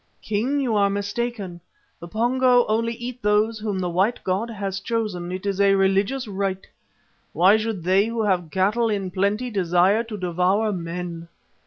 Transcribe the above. "King, you are mistaken. The Pongo only eat those whom the White God has chosen. It is a religious rite. Why should they who have cattle in plenty desire to devour men?"